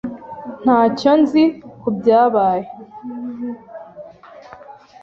Ntacyo nzi kubyabaye.